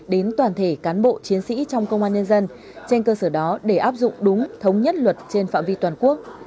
đến toàn thể cán bộ chiến sĩ trong công an nhân dân trên cơ sở đó để áp dụng đúng thống nhất luật trên phạm vi toàn quốc